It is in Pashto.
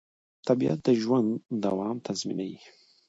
طبیعت د ژوند دوام تضمینوي